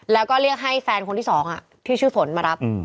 แล้วก็เรียกให้แฟนคนที่๒ที่ชื่อฝนมารับ